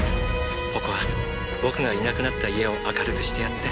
ポコア僕がいなくなった家を明るくしてやって。